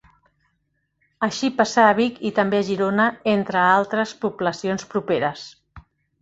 Així passà a Vic i també a Girona, entre altres poblacions properes.